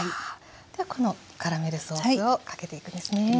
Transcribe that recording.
ではこのカラメルソースをかけていくんですね。